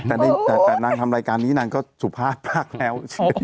แต่นางทำรายการนี้นางก็สุภาพมากแล้ว